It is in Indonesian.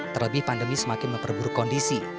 terlebih pandemi semakin memperburuk kondisi